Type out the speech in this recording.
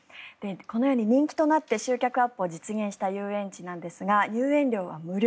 このように人気となって集客アップを実現した遊園地ですが入園料は無料。